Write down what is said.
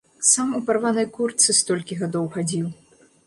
Сам у парванай куртцы столькі гадоў хадзіў.